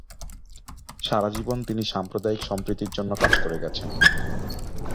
সারাজীবন তিনি সাম্প্রদায়িক সম্প্রীতির জন্য কাজ করে গেছেন।